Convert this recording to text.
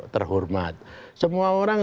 terhormat semua orang